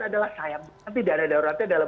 adalah sayang nanti dana daruratnya dalam